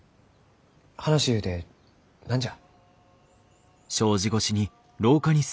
話ゆうて何じゃ？